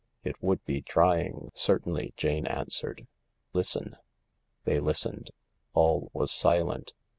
"It would be trying, certainly," Jane answered. " Listen !" They listened. All was silent.